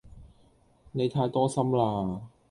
你太多心啦